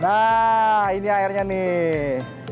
nah ini airnya nih